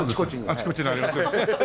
あっちこっちにありますよね。